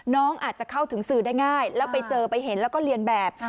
น้องอาจจะเข้าถึงสื่อได้ง่ายแล้วไปเจอไปเห็นแล้วก็เรียนแบบ